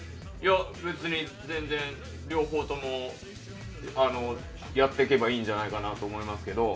別に全然両方ともやっていけばいいんじゃないかなと思うんですけど。